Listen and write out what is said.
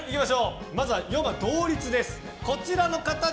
まずは４番、同率です。